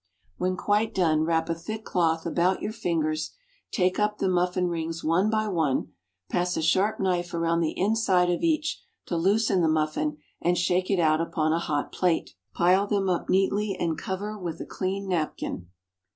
When quite done, wrap a thick cloth about your fingers, take up the muffin rings one by one; pass a sharp knife around the inside of each, to loosen the muffin, and shake it out upon a hot plate. Pile them up neatly and cover with a clean napkin.